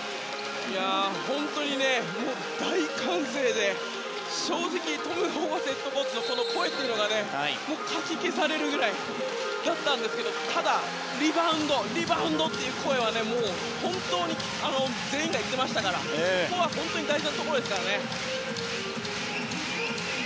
本当に大歓声で正直、トム・ホーバスヘッドコーチの声がかき消されるぐらいだったんですけどただ、リバウンド、リバウンドという声は本当に全員が言っていましたからここは本当に大事なところですからね。